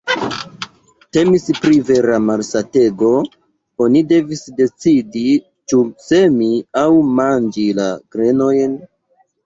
Temis pri vera malsatego: oni devis decidi ĉu semi aŭ manĝi la grenojn.